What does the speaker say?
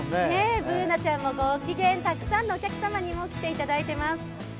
Ｂｏｏｎａちゃんもご機嫌、たくさんのお客様にも来ていただいています。